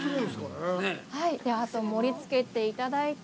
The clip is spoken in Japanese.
あとは、盛りつけていただいて。